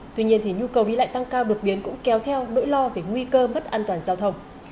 tuy nhiên nhu cầu đi lại tăng cao đột biến cũng kéo theo nỗi lo về nguy cơ mất an toàn giao thông